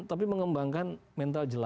tapi mengembangkan mental jadinya